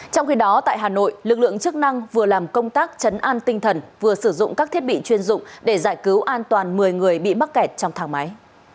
trong khi đó tại hà nội lực lượng chức năng vừa làm công tác chấn an tinh thần vừa sử dụng các thiết bị chuyên dụng để giải cứu an toàn một mươi người bị mắc kẹt trong thang máy